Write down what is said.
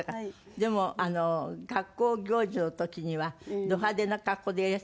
でも学校行事の時にはド派手な格好でいらしたいつもあなたね。